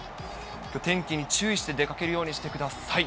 天気に注意して出かけるようにしてください。